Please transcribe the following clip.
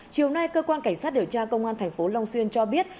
chiều nay cơ quan cảnh sát điều tra công an thành phố long xuyên cho biết